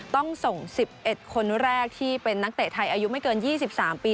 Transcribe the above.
ต้องส่ง๑๑คนแรกที่เป็นนักเตะไทยอายุไม่เกิน๒๓ปี